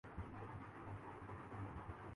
واقعات کے بعد میں محسوس کرتی ہوں کہ